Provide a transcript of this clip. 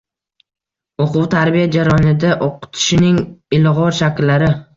o`quv-tarbiya jarayonida o`qitishning ilg`or shakllari